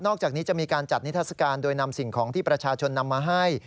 อกจากนี้จะมีการจัดนิทัศกาลโดยนำสิ่งของที่ประชาชนนำมาให้